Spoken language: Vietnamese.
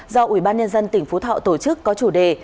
do ủy ban nhân dân tỉnh phú thọ tổ chức có chủ đề